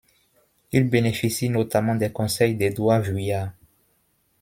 Il bénéficie notamment des conseils d'Édouard Vuillard.